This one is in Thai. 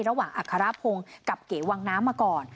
ระหว่างอัครภงกับเก๋วังน้ำมาก่อน